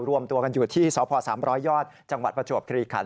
รวมตัวกันอยู่ที่สพ๓๐๐ยอดจังหวัดประจวบคลีขัน